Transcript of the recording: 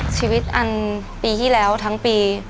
ชีวิตอันปีที่แล้วทั้งปี